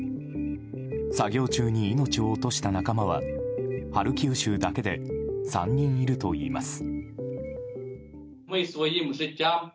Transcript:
作業中に命を落とした仲間はハルキウ州だけで３人いるといいます。